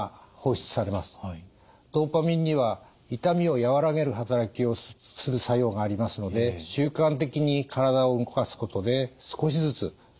ドパミンには痛みを和らげる働きをする作用がありますので習慣的に体を動かすことで少しずつ楽になっていきます。